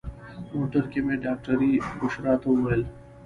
موټر کې مې ډاکټرې بشرا ته وویل.